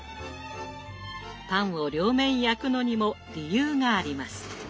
パンを両面焼くのにも理由があります。